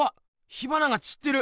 火花がちってる。